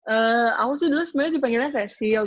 eee aku sih dulu sebenernya dipanggilnya cecil